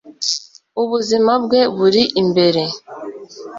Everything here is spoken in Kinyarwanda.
ubuzima bwe buri imbere